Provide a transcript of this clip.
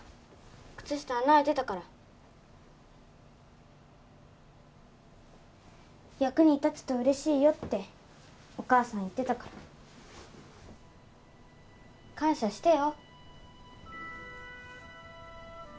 靴下穴開いてたから役に立つと嬉しいよってお母さん言ってたから感謝してよ